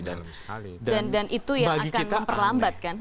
dan itu yang akan memperlambatkan